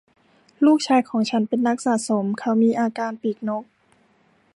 ลูกชายของฉันเป็นนักสะสม : เขามีอาการปีกนก